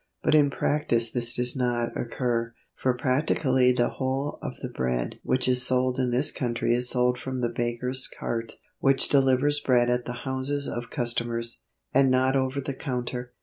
But in practice this does not occur, for practically the whole of the bread which is sold in this country is sold from the baker's cart, which delivers bread at the houses of customers, and not over the counter.